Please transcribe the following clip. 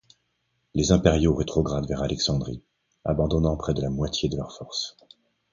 Les Impériaux rétrogradent vers Alexandrie, abandonnant près de la moitié de leurs forces.